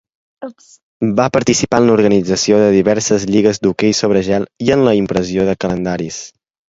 Va participar en l'organització de diverses lligues d'hoquei sobre gel i en la impressió de calendaris.